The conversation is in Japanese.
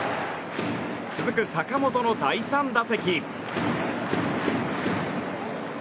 続く坂本の第３打席。